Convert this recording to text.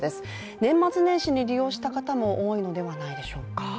年末年始に利用した方も多いのではないでしょうか。